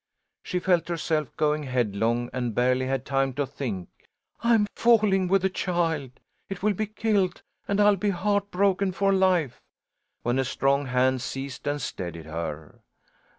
She felt herself going headlong and barely had time to think: "I'm falling with the child; it will be killed and I'll be heartbroken for life," when a strong hand seized and steadied her.